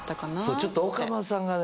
ちょっと岡村さんがね。